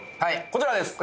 こちらです